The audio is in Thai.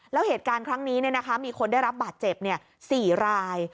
แล้วเหตุการณ์ครั้งนี้มีคนได้รับบาดเจ็บ๔ราย